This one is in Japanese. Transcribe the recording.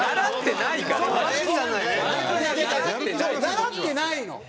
習ってないから。